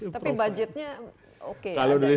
tapi budgetnya oke kalau dari